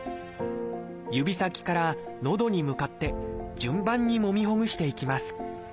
指先からのどに向かって順番にもみほぐしていきます。